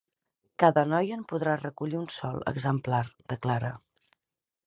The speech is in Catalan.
Cada noia en podrà recollir un sol exemplar, declara.